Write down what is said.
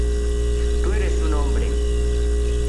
tú eres un hombre.